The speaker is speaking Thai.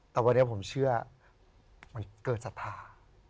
แต่วันนี้ผมเชื่อมันเกินศรัทธา